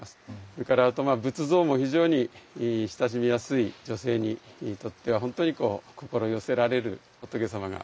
それから仏像も非常に親しみやすい女性にとっては本当に心寄せられる仏様が数多くございます。